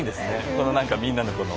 この何かみんなのこの。